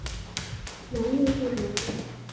南印度人。